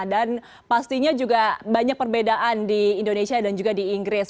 dan pastinya juga banyak perbedaan di indonesia dan juga di inggris